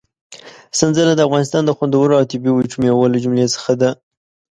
سنځله د افغانستان د خوندورو او طبي وچو مېوو له جملې څخه ده.